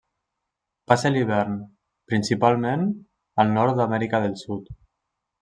Passa l'hivern, principalment, al nord d'Amèrica del Sud.